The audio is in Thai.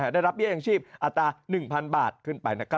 ได้รับเบี้ยยังชีพอัตรา๑๐๐๐บาทขึ้นไป